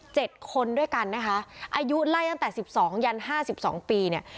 เจ็ดคนด้วยกันนะคะอายุไล่ตั้งแต่สิบสองยันห้าสิบสองปีเนี่ย